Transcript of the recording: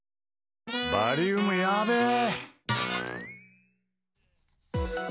バリウムやべぇ。